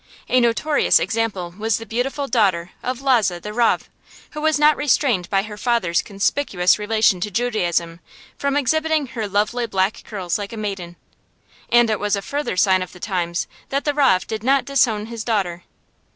A notorious example was the beautiful daughter of Lozhe the Rav, who was not restrained by her father's conspicuous relation to Judaism from exhibiting her lovely black curls like a maiden; and it was a further sign of the times that the rav did not disown his daughter.